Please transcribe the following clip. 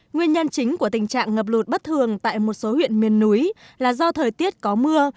nguyên nhân chính của tình trạng ngập lụt bất thường tại một số huyện miền núi là do thời tiết có mưa